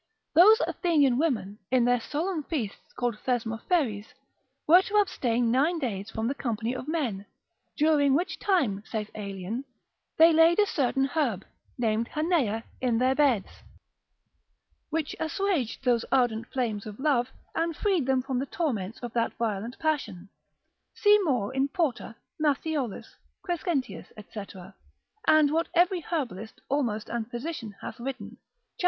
Those Athenian women, in their solemn feasts called Thesmopheries, were to abstain nine days from the company of men, during which time, saith Aelian, they laid a certain herb, named hanea, in their beds, which assuaged those ardent flames of love, and freed them from the torments of that violent passion. See more in Porta, Matthiolus, Crescentius lib. 5. &c., and what every herbalist almost and physician hath written, cap.